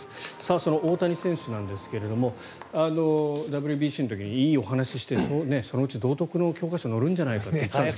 その大谷選手ですがＷＢＣの時にいいお話をしてそのうち道徳の教科書に載るんじゃないかっていう。